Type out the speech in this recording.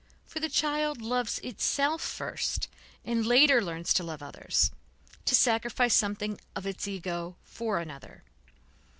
For the child loves itself first, and later learns to love others, to sacrifice something of its ego for another.